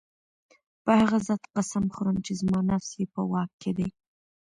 په هغه ذات قسم خورم چي زما نفس ئي په واك كي دی